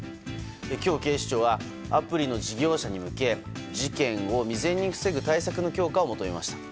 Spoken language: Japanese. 今日、警視庁はアプリの事業者に向け事件を未然に防ぐ対策の強化を求めました。